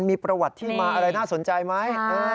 มีประวัติที่มาอะไรน่าสนใจไหม